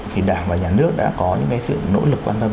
thì đảng và nhà nước đã có những cái sự nỗ lực quan tâm